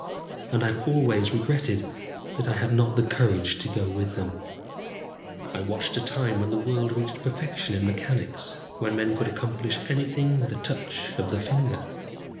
And I have always regretted that I had not the courage to go with them. I watched a time when the world reached perfection in mechanics, when men could accomplish anything with a touch of the finger.